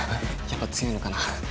やっぱり強いのかな？